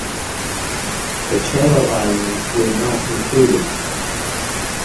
The Channel Islands were not included.